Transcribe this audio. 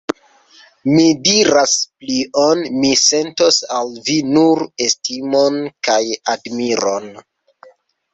Mi diras plion: mi sentos al vi nur estimon kaj admiron.